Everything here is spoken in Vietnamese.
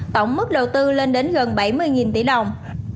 tổng mức đầu tư lên đến gần bảy mươi tỷ đồng